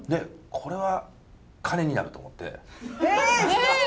これは金になると思って。